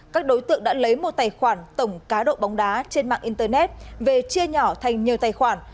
các đối tượng đã lấy một tài khoản tổng cá độ bóng đá trên mạng internet về chia nhỏ thành nhiều tài khoản